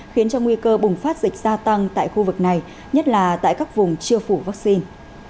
khiến cho nguy cơ bùng phát dịch gia tăng tại khu vực này nhất là tại các vùng chưa phủ vaccine